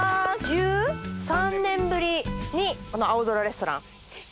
１３年ぶりにこの『青空レストラン』。